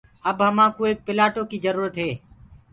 اَب همآنڪوٚ ايڪَ پِلآٽو ڪيٚ جروٚرت هي۔